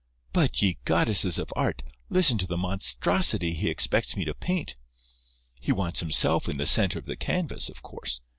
But, ye goddesses of Art! listen to the monstrosity he expects me to paint. He wants himself in the centre of the canvas, of course.